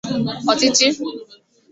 ọchịchị